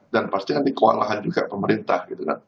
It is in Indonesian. dan pasti nanti kewalahan juga pemerintah